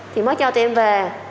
thì mới cho tụi em về